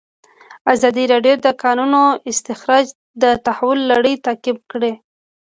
ازادي راډیو د د کانونو استخراج د تحول لړۍ تعقیب کړې.